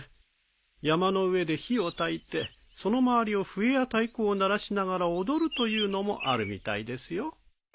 山の上で火をたいてその周りを笛や太鼓を鳴らしながら踊るというのもあるみたいですよ。